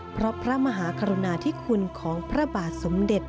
เพราะพระมหากรุณาธิคุณของพระบาทสมเด็จ